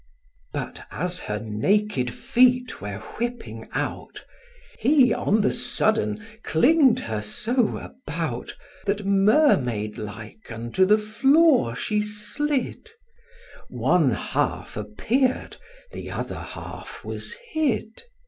But as her naked feet were whipping out, He on the sudden cling'd her so about, That, mermaid like, unto the floor she slid; One half appear'd the other half was hid.